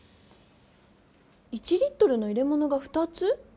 １リットルの入れものが２つ？